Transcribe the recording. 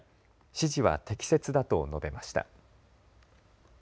指示は適切だと述べました。